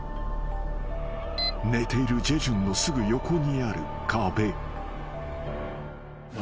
［寝ているジェジュンのすぐ横にある壁］